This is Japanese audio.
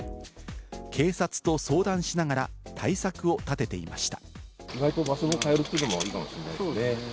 警察と相談しながら対策を立てていました。